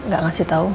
gak ngasih tau